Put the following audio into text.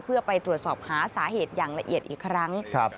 เพื่อไปตรวจสอบหาสาเหตุอย่างละเอียดอีกครั้ง